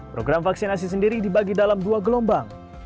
program vaksinasi sendiri dibagi dalam dua gelombang